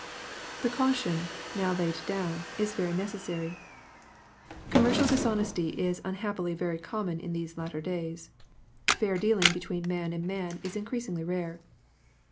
The caution, now laid down, is very necessary. Com mercial dishonesty is unhappily very common in these latter days Fair dealing between man and man is in creasingly rare.